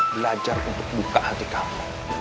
belajar untuk buka hati kamu